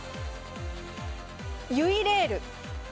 ゆいレール。